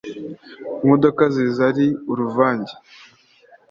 Imodoka ziza ari uruvunge